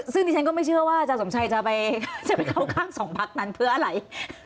ซึ่งดิฉันก็ไม่เชื่อว่าอาจารย์สมชัยจะไปเข้าข้างสองพักนั้นเพื่ออะไร